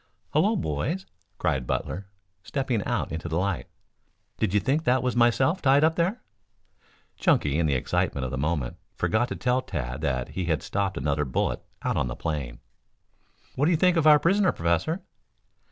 "Hullo, boys," cried Butler stepping out into the light. "Did you think that was myself tied up there?" Chunky, in the excitement of the moment, forgot to tell Tad that he had stopped another bullet out on the plain. "What do you think of our prisoner, Professor?"